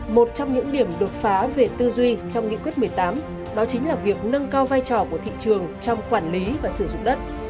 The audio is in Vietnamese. một trong những điểm đột phá về tư duy trong nghị quyết một mươi tám đó chính là việc nâng cao vai trò của thị trường trong quản lý và sử dụng đất